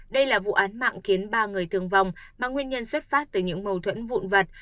đây là vụ án mạng khiến ba người thương vong mà nguyên nhân xuất phát từ những mâu thuẫn vụn vật